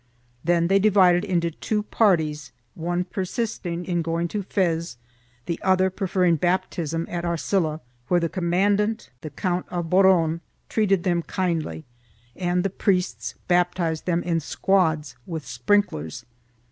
Then they divided into two parties, one persisting in going to Fez, the other preferring baptism at Arcilla, where the commandant, the Count of Boron, treated them kindly and the priests baptized them in squads with sprinklers.